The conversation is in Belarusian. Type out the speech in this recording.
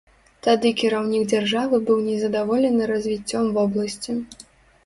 Тады кіраўнік дзяржавы быў незадаволены развіццём вобласці.